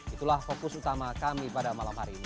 itulah fokus utama kami pada malam hari ini